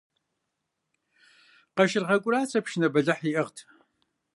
Къашыргъэ КӀурацэ пшынэ бэлыхь иӀыгът.